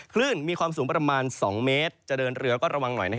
คลื่นมีความสูงประมาณ๒เมตรจะเดินเรือก็ระวังหน่อย